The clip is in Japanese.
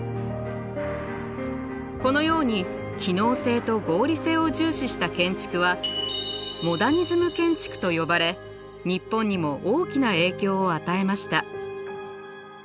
このように機能性と合理性を重視した建築はモダニズム建築と呼ばれ日本にも大きな影響を与えました。